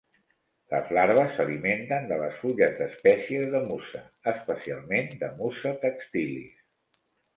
Les larves s'alimentes de les fulles d'espècies de "Musa", especialment de "Musa textilis".